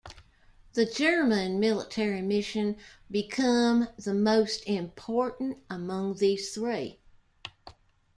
The German Military Mission become the most important among these three.